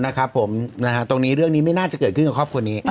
นะครับผมนะฮะตรงนี้เรื่องนี้ไม่น่าจะเกิดขึ้นกับครอบครัวนี้